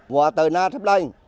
và tờ na sắp đây